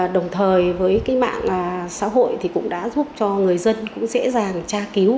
đồng thời với mạng xã hội cũng đã giúp cho người dân dễ dàng tra cứu